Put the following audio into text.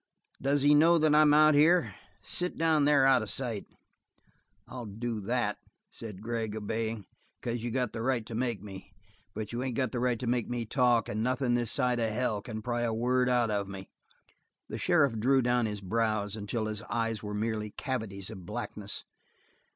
Does he know that I'm out here? Sit down there out of sight." "I'll do that," said Gregg, obeying, "because you got the right to make me, but you ain't got the right to make me talk, and nothin' this side of hell can pry a word out of me!" The sheriff drew down his brows until his eyes were merely cavities of blackness.